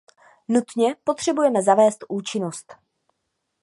Nutně potřebujeme zavést účinnost.